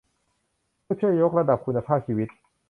เพื่อช่วยยกระดับคุณภาพชีวิต